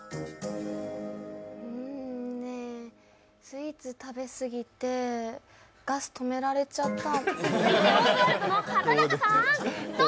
スイーツ食べすぎて、ガス止められちゃった。